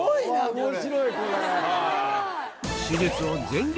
うわ面白いこれ。